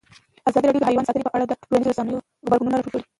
ازادي راډیو د حیوان ساتنه په اړه د ټولنیزو رسنیو غبرګونونه راټول کړي.